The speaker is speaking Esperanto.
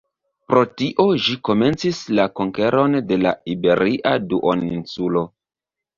Pro tio ĝi komencis la konkeron de la iberia duoninsulo.